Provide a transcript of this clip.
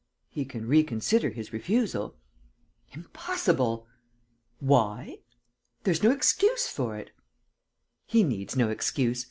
"He can reconsider his refusal." "Impossible!" "Why?" "There's no excuse for it." "He needs no excuse.